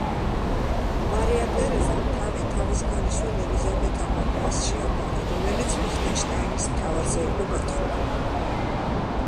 მარია ტერეზამ თავი თავის ქალიშვილ ელიზაბეთ ამალიას შეაფარა, რომელიც ლიხტენშტაინის მთავარზე იყო გათხოვილი.